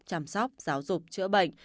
chăm sóc giáo dục chữa bệnh